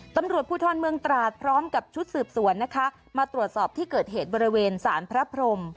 ตำรวจภูทรเมืองตราดพร้อมกับชุดสืบสวนนะคะมาตรวจสอบที่เกิดเหตุบริเวณสารพระพรม